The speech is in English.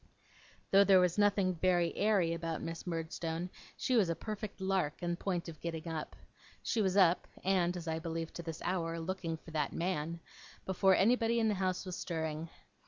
Though there was nothing very airy about Miss Murdstone, she was a perfect Lark in point of getting up. She was up (and, as I believe to this hour, looking for that man) before anybody in the house was stirring.